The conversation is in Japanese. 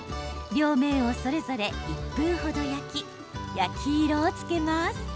両面をそれぞれ１分程、焼き焼き色をつけます。